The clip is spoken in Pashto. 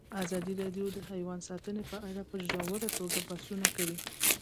ازادي راډیو د حیوان ساتنه په اړه په ژوره توګه بحثونه کړي.